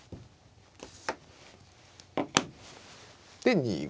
で２五金。